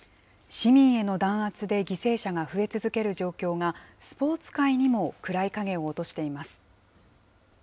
市民への弾圧で犠牲者が増え続ける状況が、スポーツ界にも暗い影を落としています。